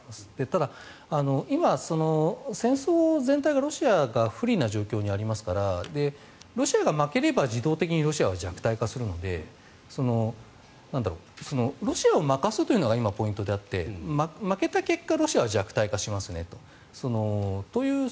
ただ、今、戦争全体でロシアが不利な状況にありますからロシアが負ければ自動的にロシアは弱体化するのでロシアを負かすというのが今、ポイントであって負けた結果、ロシアが弱体化しますねという。